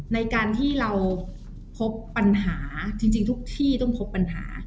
ในการที่เราพบปัญหาจริงทุกที่ต้องพบปัญหา